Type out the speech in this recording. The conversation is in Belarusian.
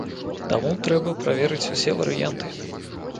Таму трэба праверыць усе варыянты.